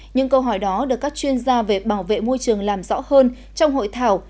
những câu hỏi đó được các chuyên gia về bảo vệ môi trường làm rõ hơn trong hội thảo